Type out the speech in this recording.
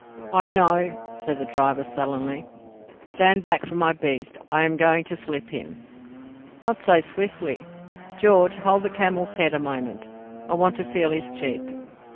"I know," said the driver, sullenly. "Stand back from my beast. I am going to slip him." "Not so swiftly. George, hold the camel's head a moment. I want to feel his cheek."